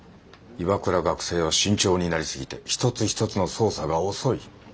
岩倉学生は慎重になり過ぎて一つ一つの操作が遅い。